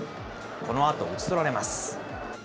このあと打ち取られます。